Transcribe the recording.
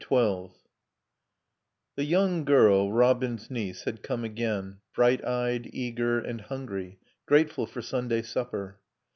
XII The young girl, Robin's niece, had come again, bright eyed, eager, and hungry, grateful for Sunday supper.